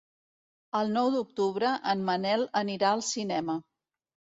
El nou d'octubre en Manel anirà al cinema.